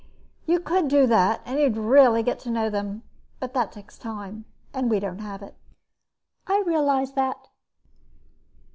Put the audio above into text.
"You could do that and you'd really get to know them. But that takes time and we don't have it." "I realize that."